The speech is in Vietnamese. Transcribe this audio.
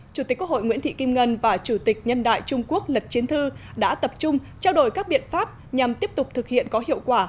chủ tịch quốc hội nguyễn thị kim ngân và chủ tịch nhân đại trung quốc lật chiến thư đã tập trung trao đổi các biện pháp nhằm tiếp tục thực hiện có hiệu quả